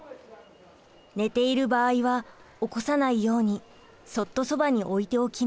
寝ている場合は起こさないようにそっとそばに置いておきます。